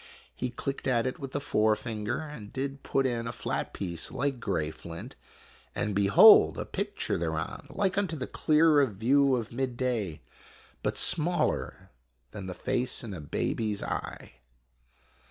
He clicked at it with the fore finger, and did put in a flat piece like gray flint, and behold ! a pic ture thereon, like unto the clear of view of midday, but smaller than the face in a baby's eye.